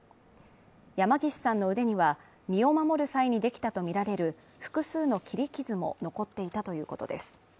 山岸さんの腕には身を守る際にできたとみられる複数の切り傷も残っていたということです。